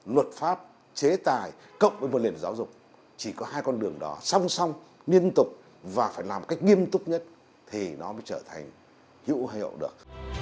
luật pháp chế tài cộng với một liền giáo dục chỉ có hai con đường đó song song liên tục và phải làm cách nghiêm túc nhất thì nó mới trở thành hữu hiệu được